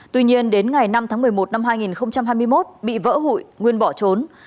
tuy nhiên đến ngày năm tháng một mươi một năm hai nghìn hai mươi một bị vỡ hụi nguyên bỏ trốn